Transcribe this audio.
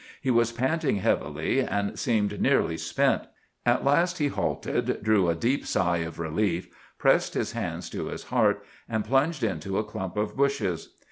He was panting heavily, and seemed nearly spent. At last he halted, drew a deep sigh of relief, pressed his hands to his heart, and plunged into a clump of bushes.